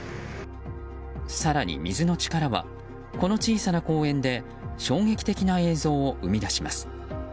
更に、水の力はこの小さな公園で衝撃的な映像を生み出します。